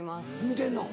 見てんの？